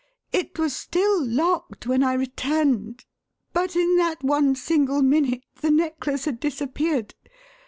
It was still locked when I returned, but in that one single minute the necklace had disappeared.